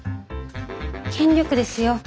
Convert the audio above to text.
権力ですよ。